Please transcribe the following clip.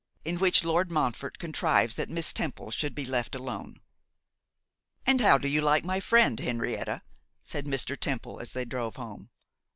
In Which Lord Montfort Contrives That Miss Temple Should be Left Alone. AND how do you like my friend, Henrietta?' said Mr. Temple, as they drove home.